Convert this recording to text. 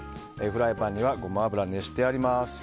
フライパンにはゴマ油、熱してあります。